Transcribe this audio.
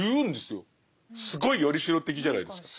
すごい依代的じゃないですか？